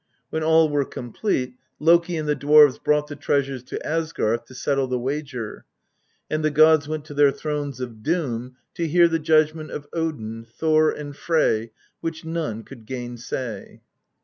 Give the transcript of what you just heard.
When all were complete Loki and the dwarfs brought the treasures to Asgarth to settle the wager, and " the gods went to their thrones of doom to hear the judgment of Odin, Thor, and Frey, which none could gainsay."